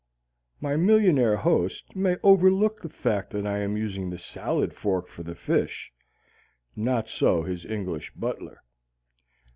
My millionaire host may overlook the fact that I am using the salad fork for the fish; not so his English butler.